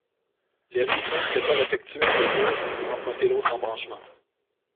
Les riverains préfèrent effectuer un détour pour emprunter l’autre embranchement.